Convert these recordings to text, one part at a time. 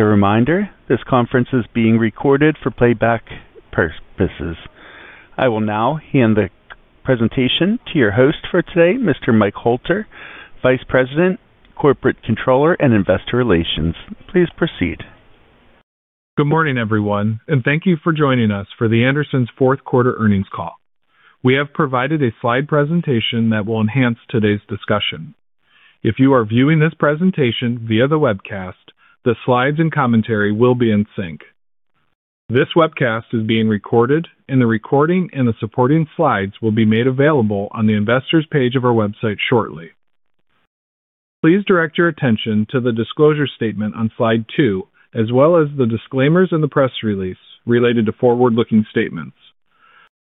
As a reminder, this conference is being recorded for playback purposes. I will now hand the presentation to your host for today, Mr. Mike Hoelter, Vice President, Corporate Controller, and Investor Relations. Please proceed. Good morning, everyone, and thank you for joining us for The Anderson s' Q4 earnings call. We have provided a slide presentation that will enhance today's discussion. If you are viewing this presentation via the webcast, the slides and commentary will be in sync. This webcast is being recorded, and the recording and the supporting slides will be made available on the investors page of our website shortly. Please direct your attention to the disclosure statement on slide 2, as well as the disclaimers in the press release related to forward-looking statements.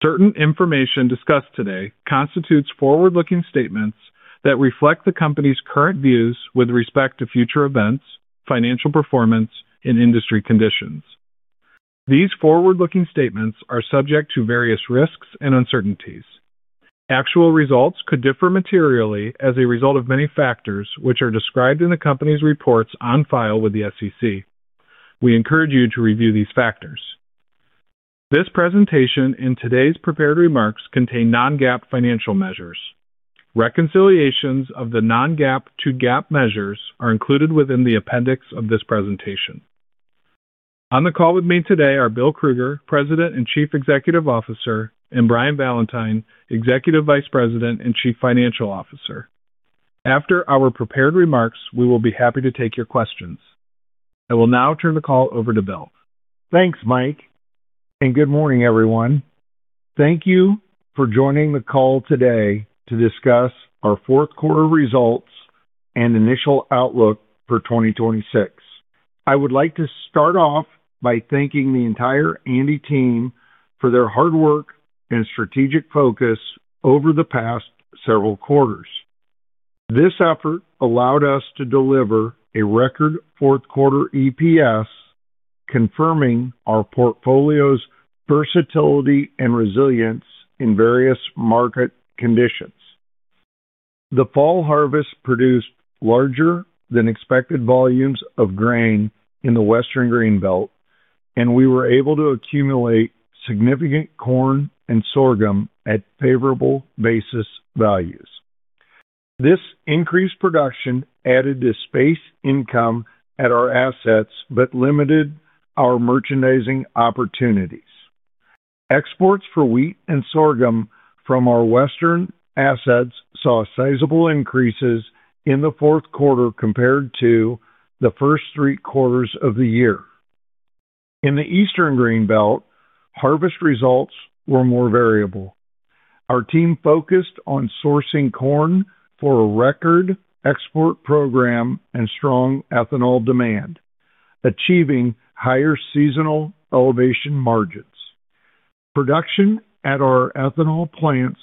Certain information discussed today constitutes forward-looking statements that reflect the company's current views with respect to future events, financial performance, and industry conditions. These forward-looking statements are subject to various risks and uncertainties. Actual results could differ materially as a result of many factors, which are described in the company's reports on file with the SEC. We encourage you to review these factors. This presentation and today's prepared remarks contain non-GAAP financial measures. Reconciliations of the non-GAAP to GAAP measures are included within the appendix of this presentation. On the call with me today are Bill Krueger, President and Chief Executive Officer, and Brian Valentine, Executive Vice President and Chief Financial Officer. After our prepared remarks, we will be happy to take your questions. I will now turn the call over to Bill. Thanks, Mike, and good morning, everyone. Thank you for joining the call today to discuss our Q4 results and initial outlook for 2026. I would like to start off by thanking the entire Andersons team for their hard work and strategic focus over the past several quarters. This effort allowed us to deliver a record Q4 EPS, confirming our portfolio's versatility and resilience in various market conditions. The fall harvest produced larger than expected volumes of grain in the Western Corn Belt, and we were able to accumulate significant corn and sorghum at favorable basis values. This increased production added to basis income at our assets but limited our merchandising opportunities. Exports for wheat and sorghum from our Western assets saw sizable increases in the Q4 compared to the first three quarters of the year. In the Eastern Corn Belt, harvest results were more variable. Our team focused on sourcing corn for a record export program and strong ethanol demand, achieving higher seasonal elevation margins. Production at our ethanol plants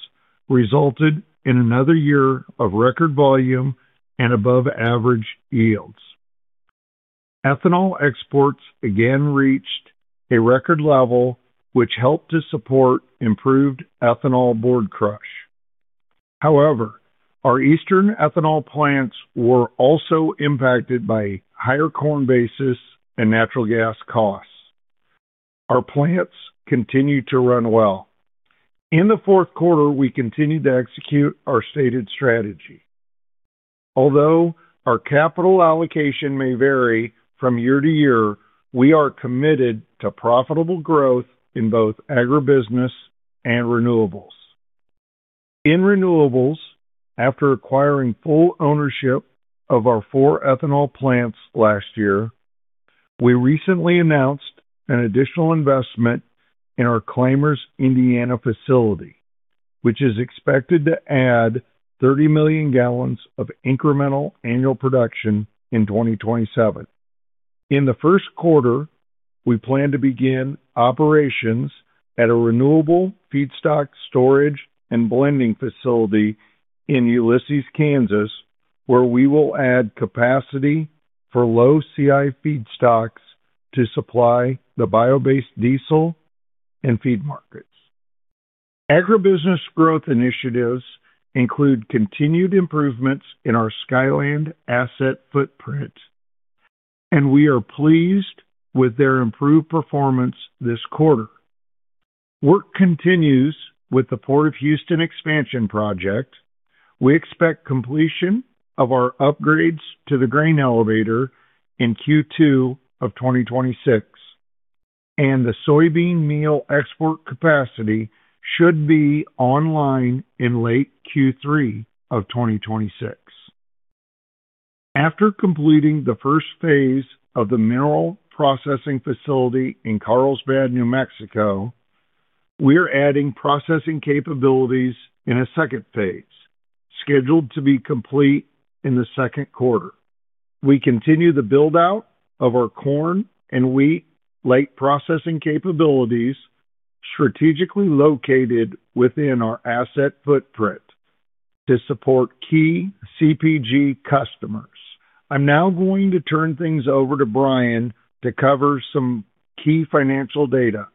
resulted in another year of record volume and above-average yields. Ethanol exports again reached a record level, which helped to support improved ethanol board crush. However, our eastern ethanol plants were also impacted by higher corn basis and natural gas costs. Our plants continued to run well. In the Q4, we continued to execute our stated strategy. Although our capital allocation may vary from year to year, we are committed to profitable growth in both agribusiness and renewables. In renewables, after acquiring full ownership of our four ethanol plants last year, we recently announced an additional investment in our Clymers, Indiana facility, which is expected to add 30 million gallons of incremental annual production in 2027. In the Q1`, we plan to begin operations at a renewable feedstock storage and blending facility in Ulysses, Kansas, where we will add capacity for low CI feedstocks to supply the bio-based diesel and feed markets. Agribusiness growth initiatives include continued improvements in our Skyland asset footprint, and we are pleased with their improved performance this quarter. Work continues with the Port of Houston expansion project. We expect completion of our upgrades to the grain elevator in Q2 of 2026, and the soybean meal export capacity should be online in late Q3 of 2026. After completing the first phase of the mineral processing facility in Carlsbad, New Mexico, we're adding processing capabilities in a second phase, scheduled to be complete in the Q2. We continue the build-out of our corn and wheat food processing capabilities, strategically located within our asset footprint to support key CPG customers. I'm now going to turn things over to Brian to cover some key financial data.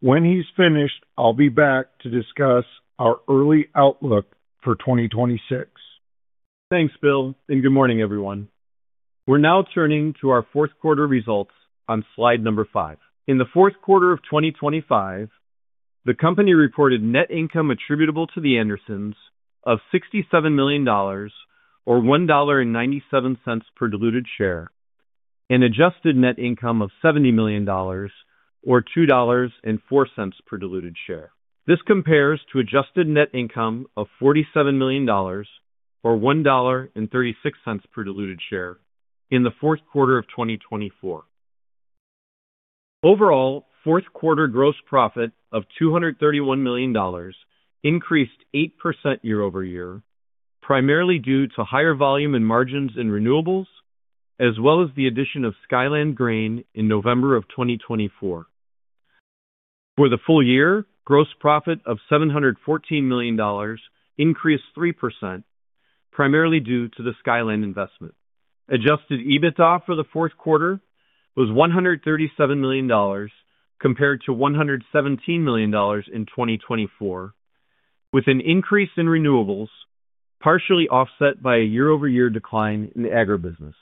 When he's finished, I'll be back to discuss our early outlook for 2026.... Thanks, Bill, and good morning, everyone. We're now turning to our Q4 results on slide number 5. In the Q4 of 2025, the company reported net income attributable to The Andersons of $67 million or $1.97 per diluted share, and adjusted net income of $70 million or $2.04 per diluted share. This compares to adjusted net income of $47 million, or $1.36 per diluted share in the Q4 of 2024. Overall, Q4 gross profit of $231 million increased 8% year-over-year, primarily due to higher volume and margins in renewables, as well as the addition of Skyland Grain in November of 2024. For the full year, gross profit of $714 million increased 3%, primarily due to the Skyland investment. Adjusted EBITDA for the Q4 was $137 million, compared to $117 million in 2024, with an increase in renewables, partially offset by a year-over-year decline in the agribusiness.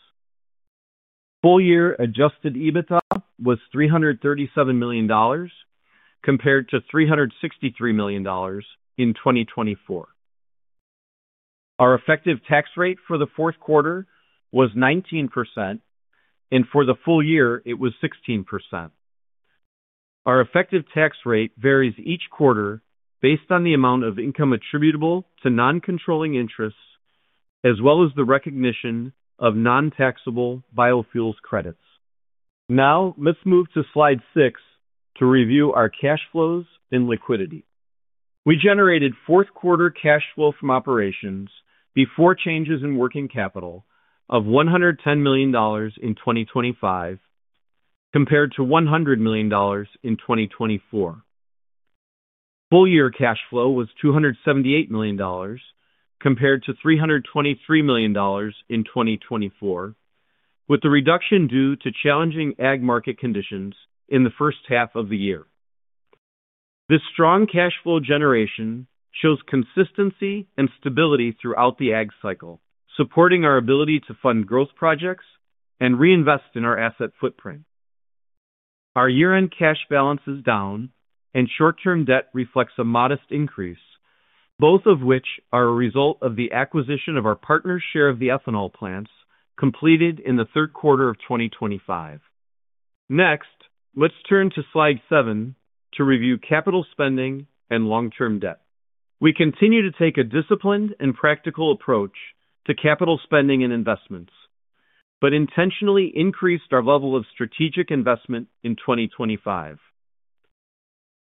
Full-year Adjusted EBITDA was $337 million, compared to $363 million in 2024. Our effective tax rate for the Q4 was 19%, and for the full year it was 16%. Our effective tax rate varies each quarter based on the amount of income attributable to non-controlling interests, as well as the recognition of non-taxable biofuels credits. Now, let's move to Slide six to review our cash flows and liquidity. We generated Q4 cash flow from operations before changes in working capital of $110 million in 2025, compared to $100 million in 2024. Full year cash flow was $278 million, compared to $323 million in 2024, with the reduction due to challenging ag market conditions in the first half of the year. This strong cash flow generation shows consistency and stability throughout the ag cycle, supporting our ability to fund growth projects and reinvest in our asset footprint. Our year-end cash balance is down, and short-term debt reflects a modest increase, both of which are a result of the acquisition of our partner's share of the ethanol plants completed in the Q3 of 2025. Next, let's turn to Slide 7 to review capital spending and long-term debt. We continue to take a disciplined and practical approach to capital spending and investments, but intentionally increased our level of strategic investment in 2025.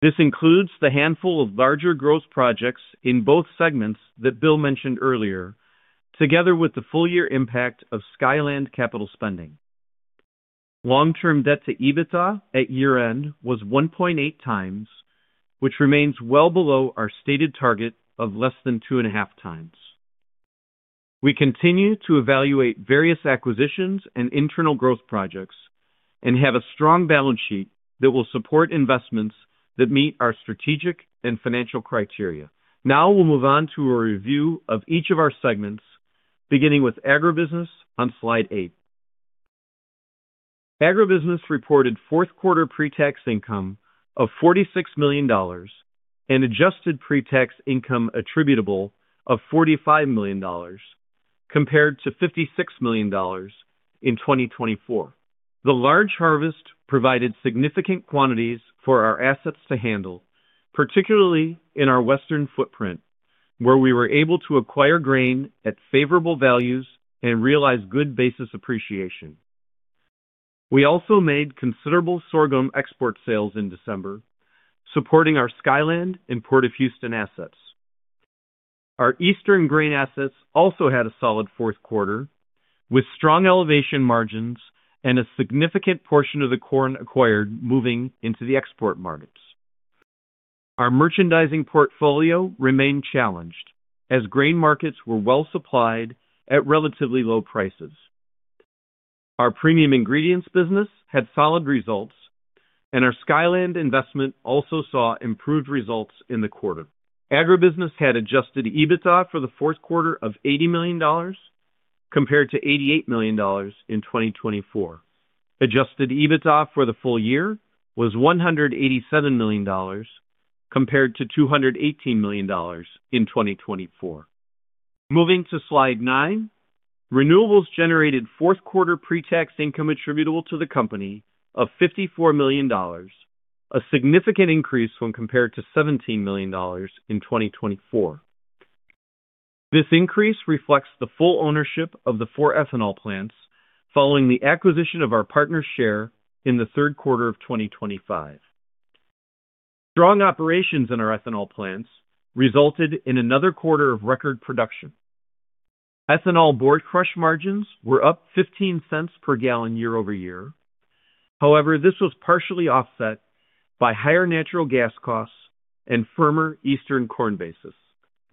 This includes the handful of larger growth projects in both segments that Bill mentioned earlier, together with the full year impact of Skyland capital spending. Long-term debt to EBITDA at year-end was 1.8 times, which remains well below our stated target of less than 2.5 times. We continue to evaluate various acquisitions and internal growth projects and have a strong balance sheet that will support investments that meet our strategic and financial criteria. Now we'll move on to a review of each of our segments, beginning with agribusiness on Slide 8. Agribusiness reported Q4 pre-tax income of $46 million and adjusted pre-tax income attributable of $45 million, compared to $56 million in 2024. The large harvest provided significant quantities for our assets to handle, particularly in our Western footprint, where we were able to acquire grain at favorable values and realize good basis appreciation. We also made considerable sorghum export sales in December, supporting our Skyland and Port of Houston assets. Our eastern grain assets also had a solid Q4, with strong elevation margins and a significant portion of the corn acquired moving into the export markets. Our merchandising portfolio remained challenged as grain markets were well supplied at relatively low prices. Our premium ingredients business had solid results, and our Skyland investment also saw improved results in the quarter. Agribusiness had Adjusted EBITDA for the Q4 of $80 million, compared to $88 million in 2024. Adjusted EBITDA for the full year was $187 million, compared to $218 million in 2024. Moving to Slide 9, renewables generated Q4 pre-tax income attributable to the company of $54 million, a significant increase when compared to $17 million in 2024. This increase reflects the full ownership of the four ethanol plants following the acquisition of our partner's share in the Q3 of 2025. Strong operations in our ethanol plants resulted in another quarter of record production. Ethanol board crush margins were up $0.15 per gallon year-over-year. However, this was partially offset by higher natural gas costs and firmer eastern corn basis.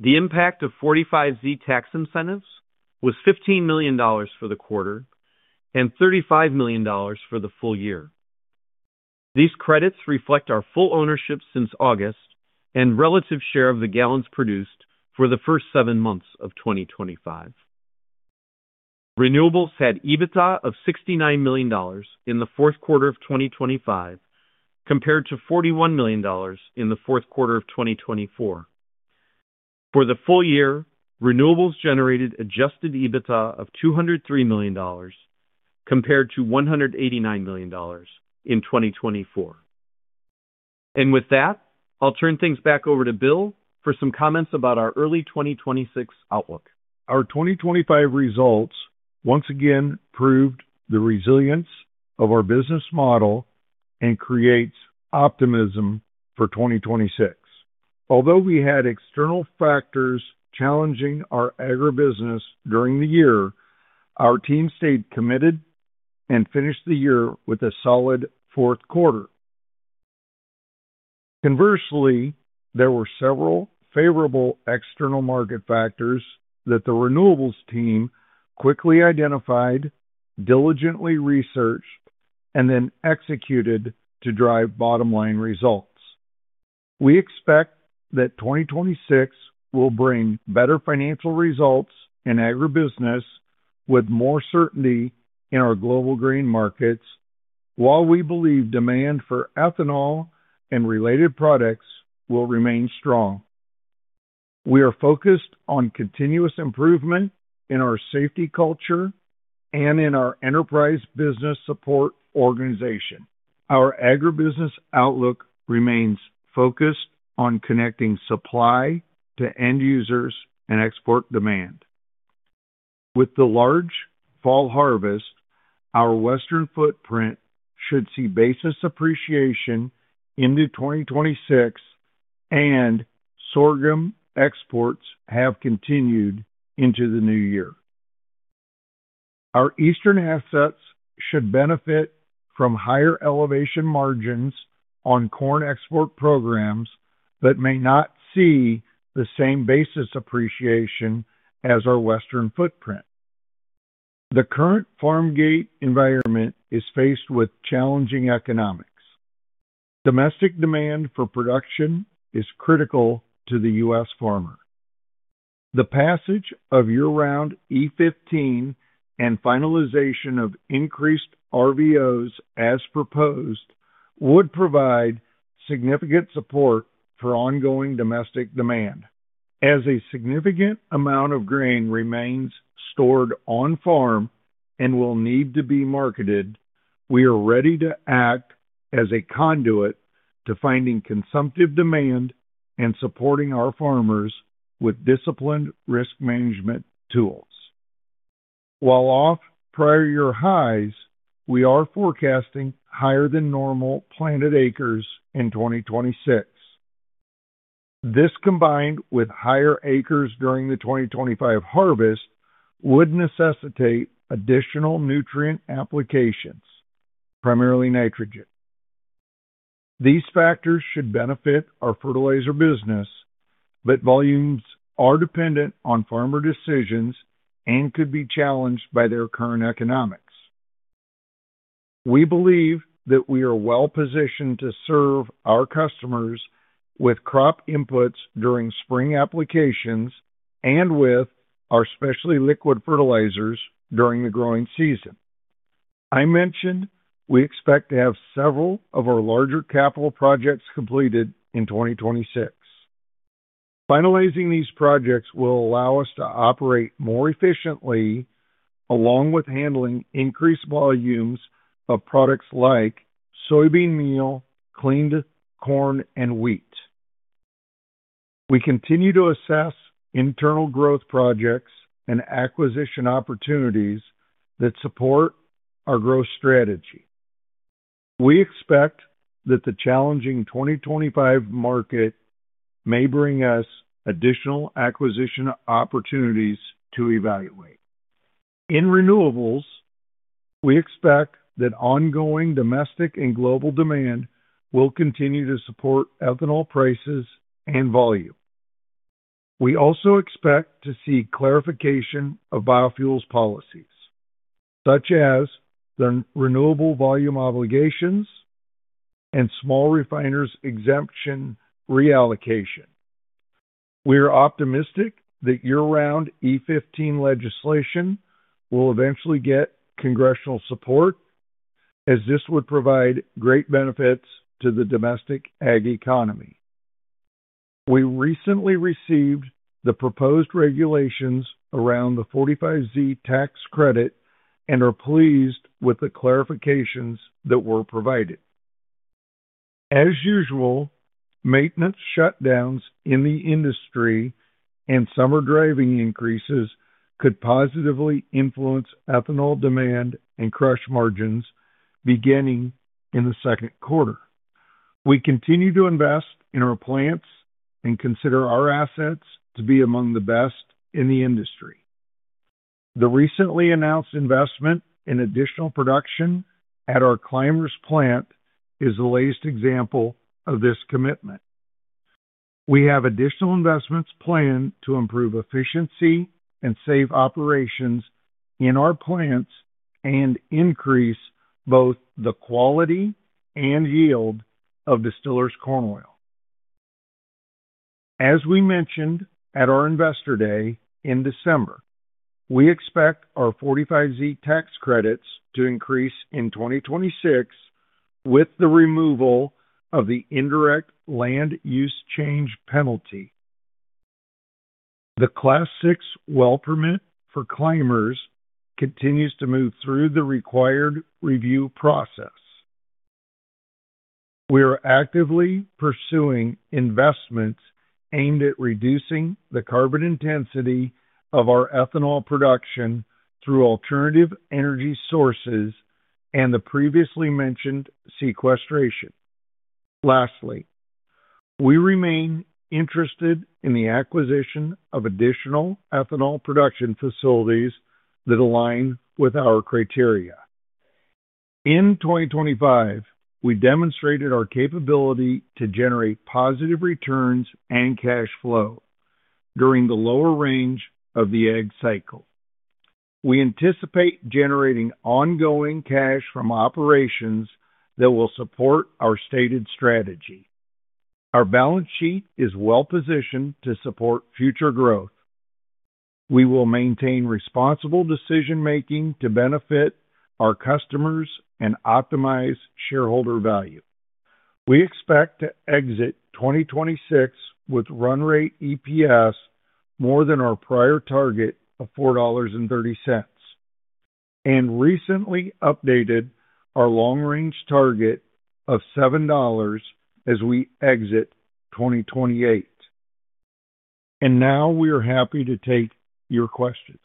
The impact of 45Z tax incentives was $15 million for the quarter and $35 million for the full year. These credits reflect our full ownership since August and relative share of the gallons produced for the first seven months of 2025. Renewables had EBITDA of $69 million in the Q4 of 2025, compared to $41 million in the Q4 of 2024. For the full year, renewables generated Adjusted EBITDA of $203 million, compared to $189 million in 2024. With that, I'll turn things back over to Bill for some comments about our early 2026 outlook. Our 2025 results once again proved the resilience of our business model and creates optimism for 2026. Although we had external factors challenging our agribusiness during the year, our team stayed committed and finished the year with a solid Q4. Conversely, there were several favorable external market factors that the renewables team quickly identified, diligently researched, and then executed to drive bottom-line results. We expect that 2026 will bring better financial results in agribusiness, with more certainty in our global grain markets, while we believe demand for ethanol and related products will remain strong. We are focused on continuous improvement in our safety culture and in our enterprise business support organization. Our agribusiness outlook remains focused on connecting supply to end users and export demand. With the large fall harvest, our western footprint should see basis appreciation into 2026, and sorghum exports have continued into the new year. Our eastern assets should benefit from higher elevation margins on corn export programs, but may not see the same basis appreciation as our western footprint. The current farm gate environment is faced with challenging economics. Domestic demand for production is critical to the U.S. farmer. The passage of year-round E15 and finalization of increased RVOs as proposed, would provide significant support for ongoing domestic demand. As a significant amount of grain remains stored on farm and will need to be marketed, we are ready to act as a conduit to finding consumptive demand and supporting our farmers with disciplined risk management tools. While off prior year highs, we are forecasting higher than normal planted acres in 2026. This, combined with higher acres during the 2025 harvest, would necessitate additional nutrient applications, primarily nitrogen. These factors should benefit our fertilizer business, but volumes are dependent on farmer decisions and could be challenged by their current economics. We believe that we are well-positioned to serve our customers with crop inputs during spring applications and with our specialty liquid fertilizers during the growing season. I mentioned we expect to have several of our larger capital projects completed in 2026. Finalizing these projects will allow us to operate more efficiently, along with handling increased volumes of products like soybean meal, cleaned corn, and wheat. We continue to assess internal growth projects and acquisition opportunities that support our growth strategy. We expect that the challenging 2025 market may bring us additional acquisition opportunities to evaluate. In renewables, we expect that ongoing domestic and global demand will continue to support ethanol prices and volume. We also expect to see clarification of biofuels policies, such as the Renewable Volume Obligations and Small Refinery Exemption reallocation. We are optimistic that year-round E15 legislation will eventually get congressional support, as this would provide great benefits to the domestic ag economy. We recently received the proposed regulations around the 45Z tax credit and are pleased with the clarifications that were provided. As usual, maintenance shutdowns in the industry and summer driving increases could positively influence ethanol demand and crush margins beginning in the Q2. We continue to invest in our plants and consider our assets to be among the best in the industry. The recently announced investment in additional production at our Clymers plant is the latest example of this commitment. We have additional investments planned to improve efficiency and save operations in our plants and increase both the quality and yield of distillers corn oil. As we mentioned at our Investor Day in December, we expect our 45Z tax credits to increase in 2026, with the removal of the indirect land use change penalty. The Class VI well permit for Clymers continues to move through the required review process. We are actively pursuing investments aimed at reducing the carbon intensity of our ethanol production through alternative energy sources and the previously mentioned sequestration. Lastly, we remain interested in the acquisition of additional ethanol production facilities that align with our criteria. In 2025, we demonstrated our capability to generate positive returns and cash flow during the lower range of the ag cycle. We anticipate generating ongoing cash from operations that will support our stated strategy. Our balance sheet is well-positioned to support future growth. We will maintain responsible decision-making to benefit our customers and optimize shareholder value. We expect to exit 2026 with run rate EPS more than our prior target of $4.30, and recently updated our long-range target of $7 as we exit 2028. Now we are happy to take your questions.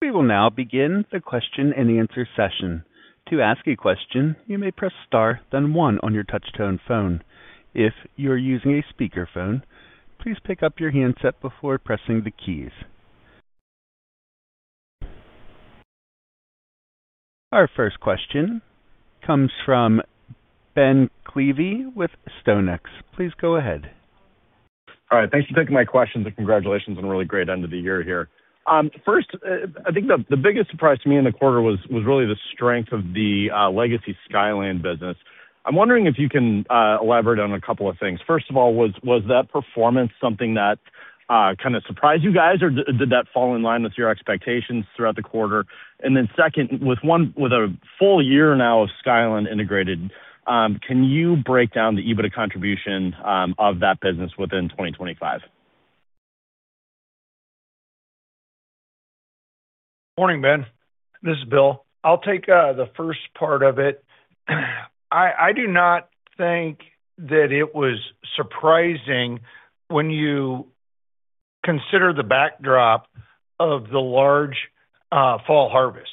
We will now begin the question-and-answer session. To ask a question, you may press Star, then one on your touch-tone phone. If you're using a speakerphone, please pick up your handset before pressing the keys. Our first question comes from Ben Klieve with StoneX. Please go ahead. All right. Thanks for taking my question, and congratulations on a really great end of the year here. First, I think the biggest surprise to me in the quarter was really the strength of the legacy Skyland business. I'm wondering if you can elaborate on a couple of things. First of all, was that performance something that kinda surprised you guys, or did that fall in line with your expectations throughout the quarter? And then second, with a full year now of Skyland integrated, can you break down the EBITDA contribution of that business within 2025? Morning, Ben. This is Bill. I'll take the first part of it. I do not think that it was surprising when you consider the backdrop of the large fall harvest.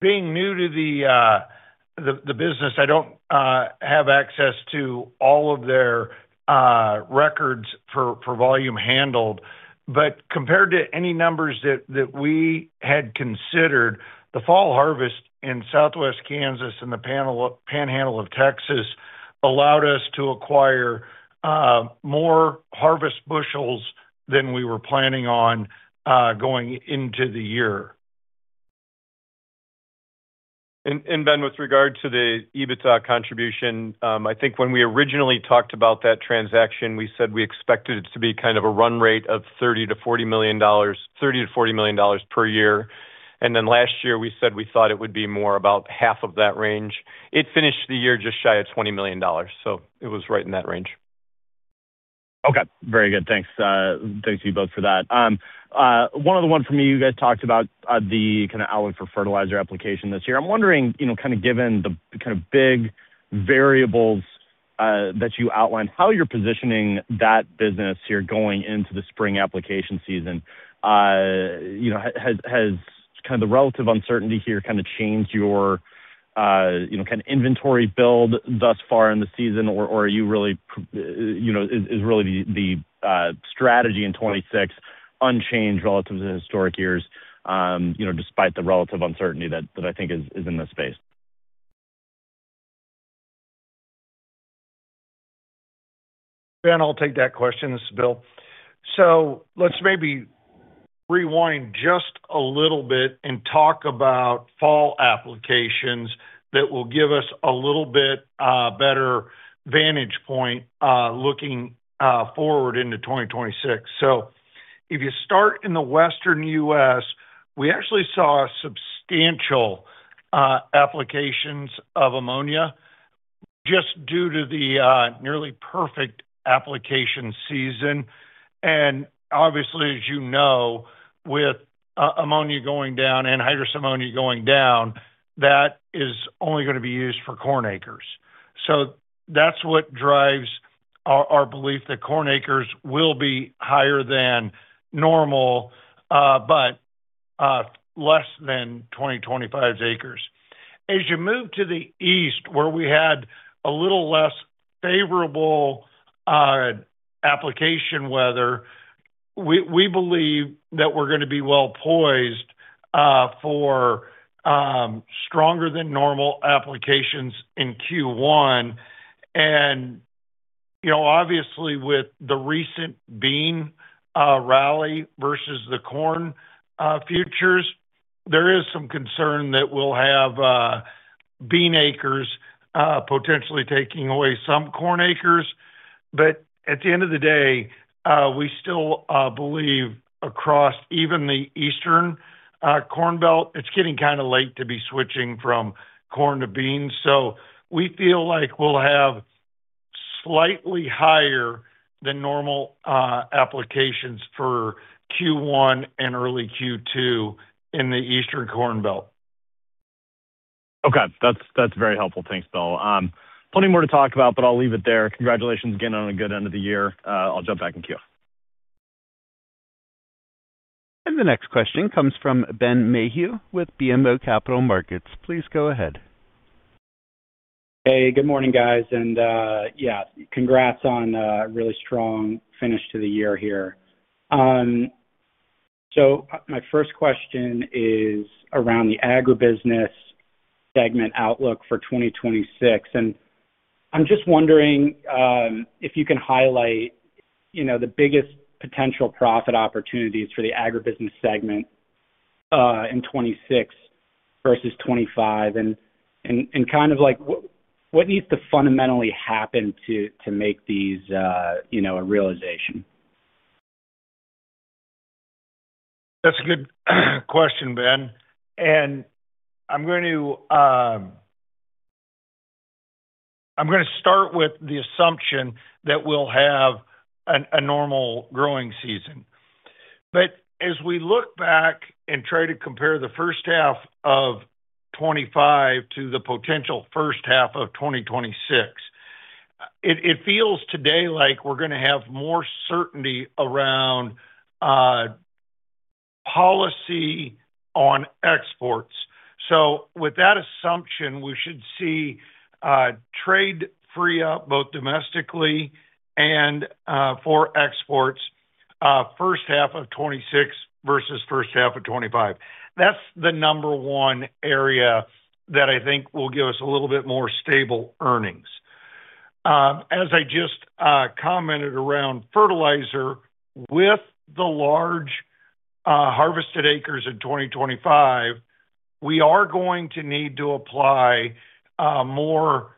Being new to the business, I don't have access to all of their records for volume handled. But compared to any numbers that we had considered, the fall harvest in southwest Kansas and the Panhandle of Texas allowed us to acquire more harvest bushels than we were planning on going into the year. Ben, with regard to the EBITDA contribution, I think when we originally talked about that transaction, we said we expected it to be kind of a run rate of $30 million-$40 million per year. Last year, we said we thought it would be more about half of that range. It finished the year just shy of $20 million, so it was right in that range. Okay. Very good. Thanks, thanks to you both for that. One other one for me. You guys talked about the kinda outlook for fertilizer application this year. I'm wondering, you know, kinda given the kinda big variables that you outlined, how you're positioning that business here going into the spring application season. You know, has kinda the relative uncertainty here kinda changed your, you know, kinda inventory build thus far in the season, or are you really, you know, is really the strategy in 2026 unchanged relative to the historic years, you know, despite the relative uncertainty that I think is in the space? Ben, I'll take that question. This is Bill. So let's maybe rewind just a little bit and talk about fall applications that will give us a little bit better vantage point looking forward into 2026. So if you start in the western U.S., we actually saw substantial applications of ammonia just due to the nearly perfect application season. And obviously, as you know, with ammonia going down, anhydrous ammonia going down, that is only gonna be used for corn acres. So that's what drives our belief that corn acres will be higher than normal, but less than 2025's acres. As you move to the east, where we had a little less favorable application weather. We believe that we're gonna be well poised for stronger than normal applications in Q1. You know, obviously, with the recent bean rally versus the corn futures, there is some concern that we'll have bean acres potentially taking away some corn acres. But at the end of the day, we still believe across even the Eastern Corn Belt, it's getting kinda late to be switching from corn to beans. So we feel like we'll have slightly higher than normal applications for Q1 and early Q2 in the Eastern Corn Belt. Okay. That's, that's very helpful. Thanks, Bill. Plenty more to talk about, but I'll leave it there. Congratulations again on a good end of the year. I'll jump back in queue. The next question comes from Ben Mayhew with BMO Capital Markets. Please go ahead. Hey, good morning, guys. Yeah, congrats on a really strong finish to the year here. So my first question is around the agribusiness segment outlook for 2026. And I'm just wondering if you can highlight, you know, the biggest potential profit opportunities for the agribusiness segment in 2026 versus 2025. And kind of like, what needs to fundamentally happen to make these, you know, a realization? That's a good question, Ben. I'm going to start with the assumption that we'll have a normal growing season. But as we look back and try to compare the first half of 2025 to the potential first half of 2026, it feels today like we're gonna have more certainty around policy on exports. So with that assumption, we should see trade free up, both domestically and for exports, first half of 2026 versus first half of 2025. That's the number one area that I think will give us a little bit more stable earnings. As I just commented around fertilizer, with the large harvested acres in 2025, we are going to need to apply more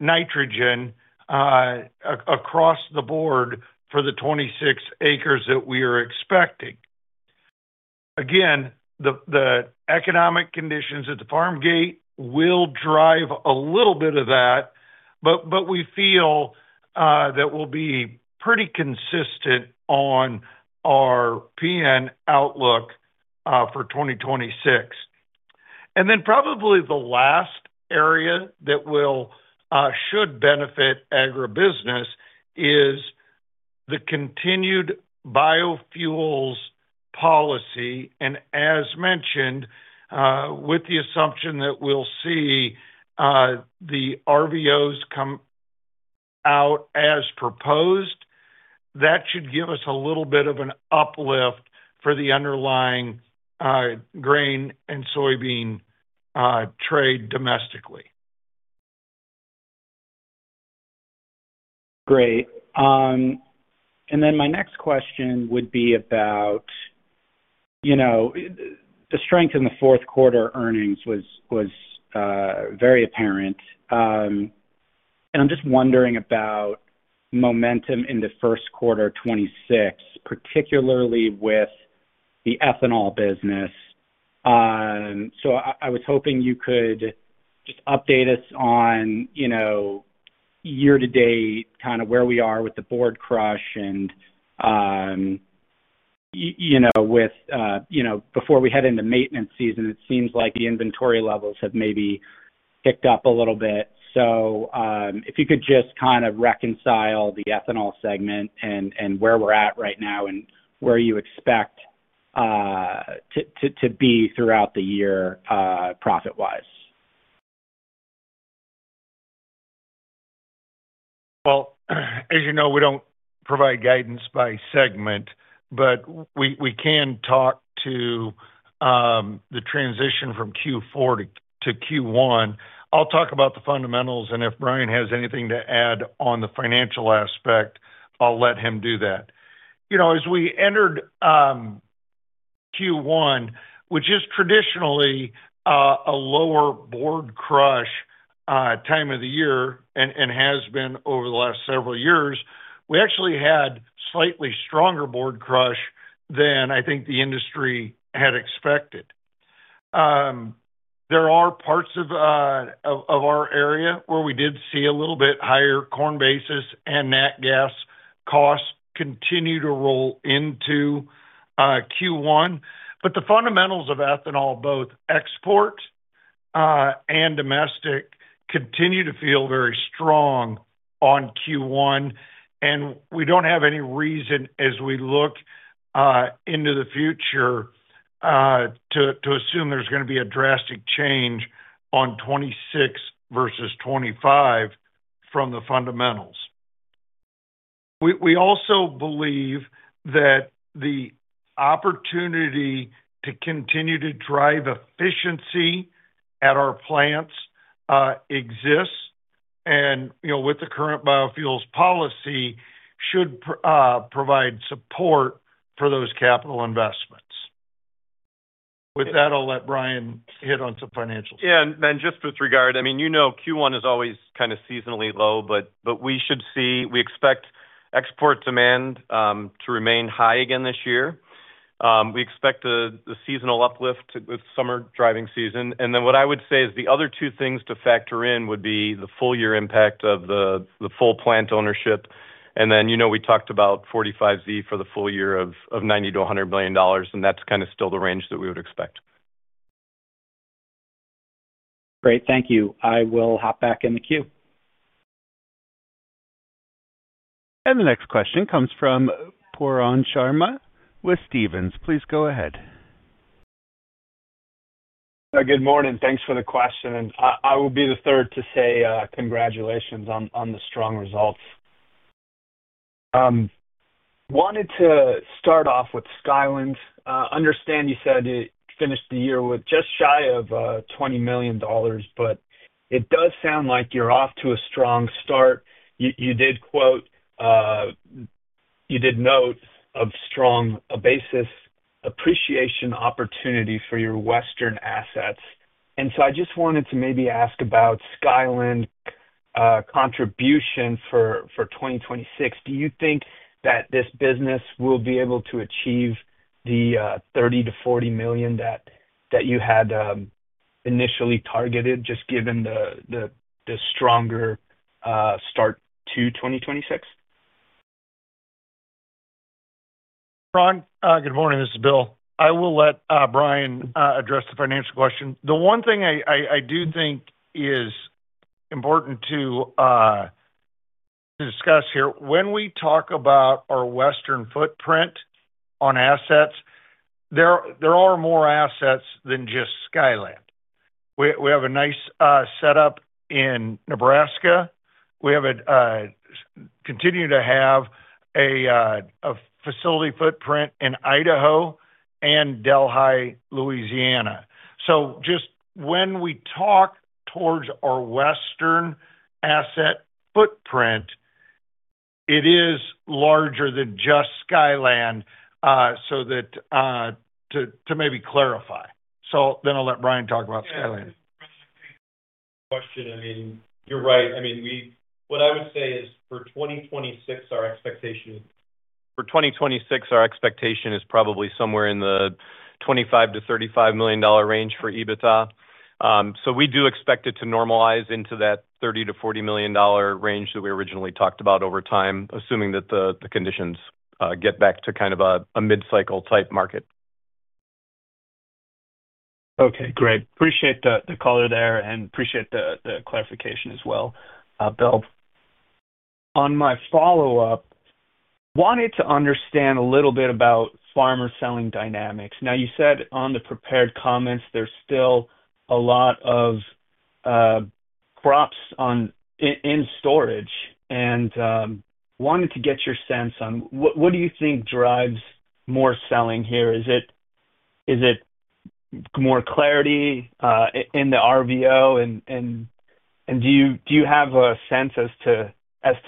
nitrogen across the board for the 2026 acres that we are expecting. Again, the economic conditions at the farm gate will drive a little bit of that, but we feel that we'll be pretty consistent on our P&L outlook for 2026. And then probably the last area that should benefit agribusiness is the continued biofuels policy. And as mentioned, with the assumption that we'll see the RVOs come out as proposed, that should give us a little bit of an uplift for the underlying grain and soybean trade domestically. Great. And then my next question would be about, you know, the strength in the Q4 earnings was, was, very apparent. And I'm just wondering about momentum in the Q1 of 2026, particularly with the ethanol business. So I, I was hoping you could just update us on, you know, year to date, kinda where we are with the board crush and, you, you know, with, you know, before we head into maintenance season, it seems like the inventory levels have maybe picked up a little bit. So, if you could just kind of reconcile the ethanol segment and, and where we're at right now and where you expect, to, to, to be throughout the year, profit-wise. Well, as you know, we don't provide guidance by segment, but we can talk to the transition from Q4 to Q1. I'll talk about the fundamentals, and if Brian has anything to add on the financial aspect, I'll let him do that. You know, as we entered Q1, which is traditionally a lower board crush time of the year, and has been over the last several years, we actually had slightly stronger board crush than I think the industry had expected. There are parts of our area where we did see a little bit higher corn basis and nat gas costs continue to roll into Q1. But the fundamentals of ethanol, both export and domestic, continue to feel very strong on Q1, and we don't have any reason as we look into the future to assume there's gonna be a drastic change on 2026 versus 2025 from the fundamentals. We also believe that the opportunity to continue to drive efficiency at our plants exists and, you know, with the current biofuels policy, should provide support for those capital investments. With that, I'll let Brian hit on some financials. Yeah, and then just with regard, I mean, you know, Q1 is always kind of seasonally low, but we should see. We expect export demand to remain high again this year. We expect the seasonal uplift with summer driving season. And then what I would say is the other two things to factor in would be the full year impact of the full plant ownership. And then, you know, we talked about 45Z for the full year of $90 million-$100 million, and that's kind of still the range that we would expect. Great, thank you. I will hop back in the queue. The next question comes from Pooran Sharma with Stephens. Please go ahead. Good morning. Thanks for the question, and I will be the third to say, congratulations on the strong results. Wanted to start off with Skyland. Understand you said it finished the year with just shy of $20 million, but it does sound like you're off to a strong start. You did note strong basis appreciation opportunity for your Western assets, and so I just wanted to maybe ask about Skyland contribution for 2026. Do you think that this business will be able to achieve the $30 million-$40 million that you had initially targeted, just given the stronger start to 2026? Pooran, good morning, this is Bill. I will let Brian address the financial question. The one thing I do think is important to discuss here, when we talk about our Western footprint on assets, there are more assets than just Skyland. We have a nice setup in Nebraska. We continue to have a facility footprint in Idaho and Delhi, Louisiana. So just when we talk towards our Western asset footprint, it is larger than just Skyland, so that to maybe clarify. So then I'll let Brian talk about Skyland. Question. I mean, you're right. I mean, what I would say is, for 2026, our expectation... For 2026, our expectation is probably somewhere in the $25 million-$35 million range for EBITDA. So we do expect it to normalize into that $30 million-$40 million range that we originally talked about over time, assuming that the conditions get back to kind of a mid-cycle type market. Okay, great. Appreciate the color there, and appreciate the clarification as well, Bill. On my follow-up, wanted to understand a little bit about farmer selling dynamics. Now, you said on the prepared comments there's still a lot of crops on, in storage, and wanted to get your sense on what do you think drives more selling here? Is it more clarity in the RVO? And do you have a sense as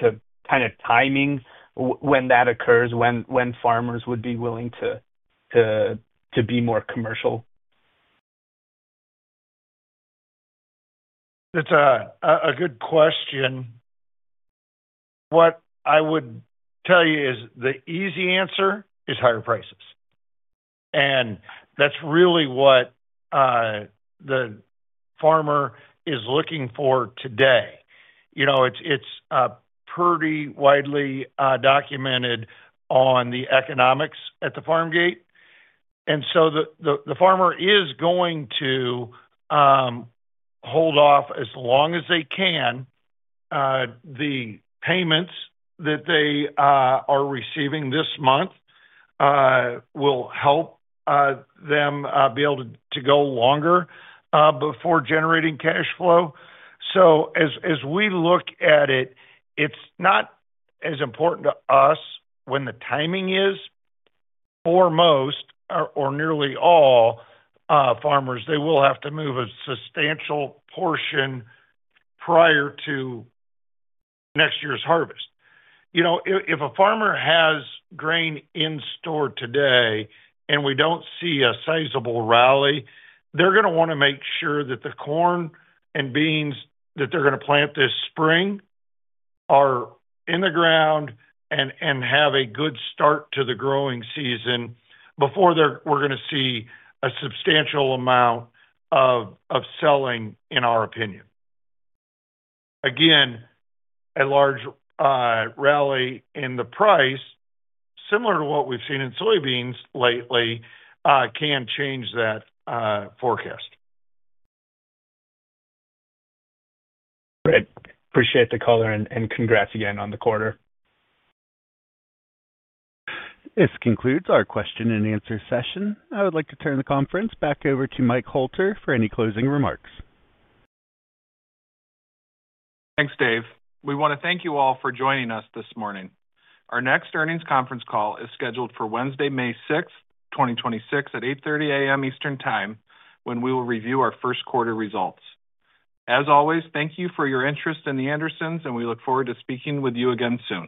to kind of timing when that occurs, when farmers would be willing to be more commercial? It's a good question. What I would tell you is the easy answer is higher prices, and that's really what the farmer is looking for today. You know, it's pretty widely documented on the economics at the farm gate, and so the farmer is going to hold off as long as they can. The payments that they are receiving this month will help them be able to go longer before generating cash flow. So as we look at it, it's not as important to us when the timing is. For most or nearly all farmers, they will have to move a substantial portion prior to next year's harvest. You know, if a farmer has grain in store today and we don't see a sizable rally, they're gonna wanna make sure that the corn and beans that they're gonna plant this spring are in the ground and have a good start to the growing season before they're we're gonna see a substantial amount of selling, in our opinion. Again, a large rally in the price, similar to what we've seen in soybeans lately, can change that forecast. Great. Appreciate the color, and congrats again on the quarter. This concludes our question and answer session. I would like to turn the conference back over to Mike Hoelter for any closing remarks. Thanks, Dave. We want to thank you all for joining us this morning. Our next earnings conference call is scheduled for Wednesday, May 6, 2026, at 8:30 A.M. Eastern Time, when we will review our Q1 results. As always, thank you for your interest in The Andersons, and we look forward to speaking with you again soon.